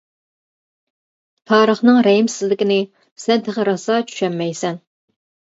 تارىخنىڭ رەھىمسىزلىكىنى سەن تېخى راسا چۈشەنمەيسەن.